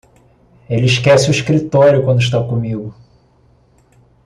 Ele esquece o escritório quando está comigo.